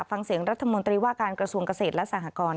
ฟังเสียงรัฐมนตรีว่าการกระทรวงเกษตรและสหกร